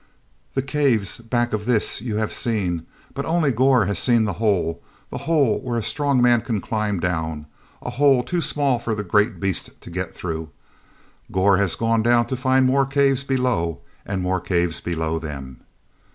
The caves back of this you have seen, but only Gor has seen the hole—the hole where a strong man can climb down; a hole too small for the great beast to get through. Gor has gone down to find more caves below and more caves below them.